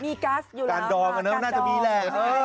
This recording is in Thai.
มีก๊าซอยู่แล้วค่ะการดองอ่ะเนอะน่าจะมีแหละเออ